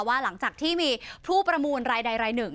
หลังจากที่มีผู้ประมูลรายใดรายหนึ่ง